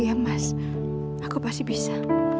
ya mas aku pasti bisa